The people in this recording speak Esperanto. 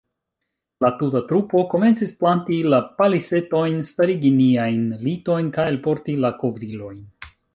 La tuta trupo komencis planti la palisetojn, starigi niajn litojn kaj alporti la kovrilojn.